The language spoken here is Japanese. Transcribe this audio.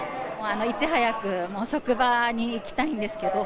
いち早く職場に行きたいんですけど。